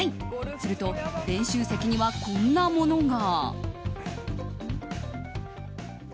すると練習席にはこんなものが。